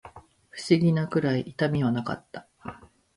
不思議なくらい痛みはなかった